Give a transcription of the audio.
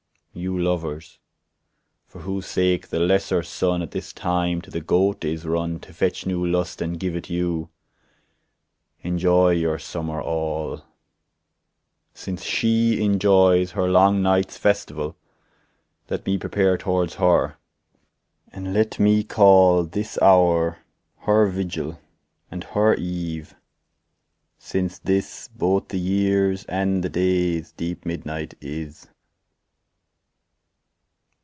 You lovers, for whose sake the lesser sun At this time to the Goat is run To fetch new lust, and give it you, Enjoy your summer all, Since she enjoys her long night's festival. Let me prepare towards her, and let me call This hour her vigil, and her eve, since this Both the year's and the day's deep midnight is.